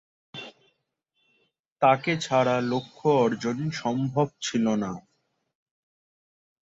তাঁকে ছাড়া লক্ষ্য অর্জন সম্ভব ছিল না।